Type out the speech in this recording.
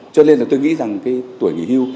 cho nên là tôi nghĩ rằng cái tuổi nghỉ hưu